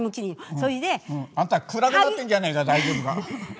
それで。あんた暗くなってんじゃねえか大丈夫か？